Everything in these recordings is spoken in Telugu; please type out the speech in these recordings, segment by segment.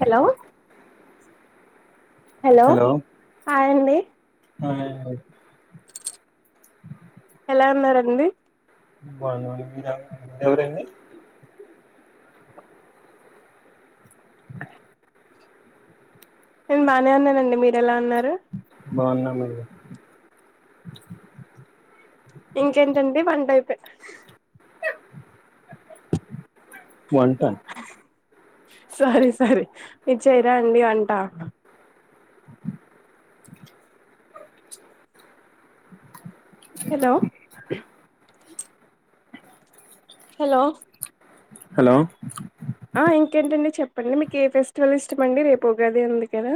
హలో హలో [unintelligible] మాయండి ఎలా ఉన్నారండి బాగున్నా మీర మీరండీ నేను బానే ఉన్నానండి మీరెలా ఉన్నారు బావున్నామండీ ఇంకేంటండి వంటైప్ వంట సారీ సారి మీరు చేయరా అండి వంట హలో హలో హలో ఆ ఇంకేంటండి చెప్పండి మీకు ఏ ఫెస్టివల్ ఇస్తామండి రేపు ఉగాది ఉంది కదా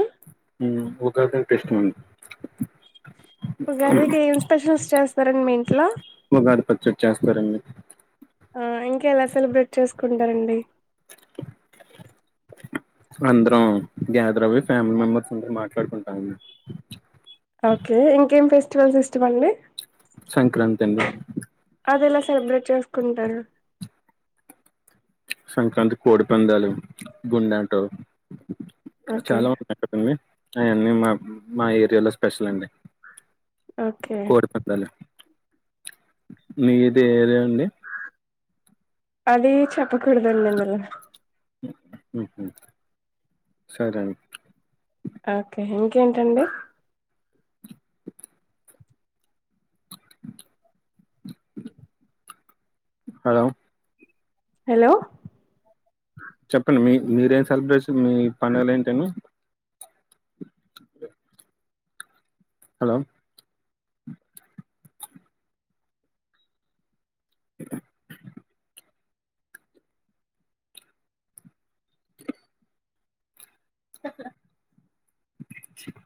ఉగాదంటే ఇష్టమండ్ ఉగాదికి ఏమి స్పెషల్స్ చేస్తారండి మీ ఇంట్లో ఉగాది పచ్చడి చేస్తారండి ఆ ఇంకెలా సెలబ్రేట్ చేసుకుంటారండి అందరం గ్యాదర్ అవి ఫ్యామిలీ మెంబెర్స్ అందరూ మాట్లాడుకుంటాం అండి ఓకే ఇంకేం ఫెస్టివల్స్ ఇష్టమండి సంక్రాంతి అండి అదెలా సెలబ్రేట్ చేసుకుంటారు సంక్రాంతి కోడి పందాలు గుండంటవు ఓకే చాలామంది [inaudible] అయన్నీ మా మా ఏరియాలో స్పెషలండి ఓకే కోడి పందాలు మీదే ఏరియా అండి అది చెప్పకూడదండి ఇందులో ఉహూ సరే ఓకే ఇంకేంటండి హలో హలో చెప్పండి మీ మీరేం సెలబ్రేషన్ మీ పండుగలు ఏంటనీ అ హలో చెప్పలా